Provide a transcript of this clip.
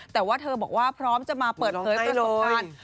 แต่ว่าเธอบอกว่าพร้อมจะมาเปิดเผยประสบการณ์